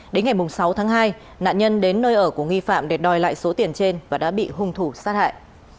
đến ngày sáu tháng hai nạn nhân đến nơi ở của nghi phạm để đòi lại số tiền trên và đã bị hung thủ sát hại